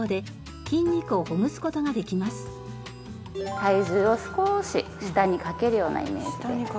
体重を少し下にかけるようなイメージです。